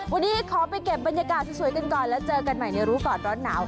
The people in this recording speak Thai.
วันนี้ขอไปเก็บบรรยากาศสวยกันก่อนแล้วเจอกันใหม่ในรู้ก่อนร้อนหนาว